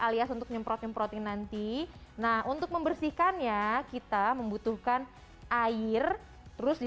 alias untuk nyemprot nyemprotin nanti nah untuk membersihkannya kita membutuhkan air terus di